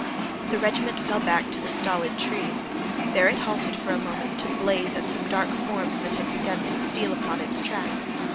The regiment fell back to the stolid trees. There it halted for a moment to blaze at some dark forms that had begun to steal upon its track.